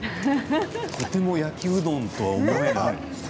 とても焼きうどんとは思えない。